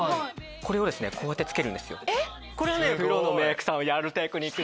これをですねこうやってつけるんですよ。